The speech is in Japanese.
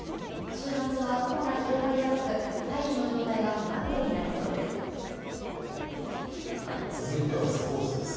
週末は雲が広がりやすく大気の状態が不安定になりそうです。